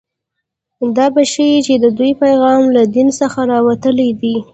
دا به ښيي چې د دوی پیغام له دین څخه راوتلی دی